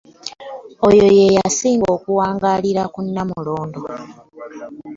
Oyo ye yasinga okuwangaalira ku Nnamulondo.